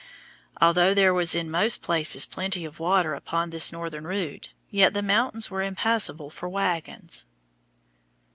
Although there was in most places plenty of water upon this northern route, yet the mountains were impassable for wagons.